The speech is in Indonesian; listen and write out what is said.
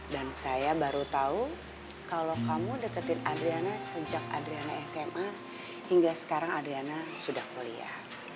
dan saya baru tahu kalau kamu deketin adriana sejak adriana sma hingga sekarang adriana sudah kuliah